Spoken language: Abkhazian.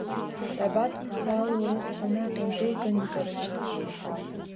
Рабаҭынха алу рыцҳа, наҟ индәылган инкарыжьт.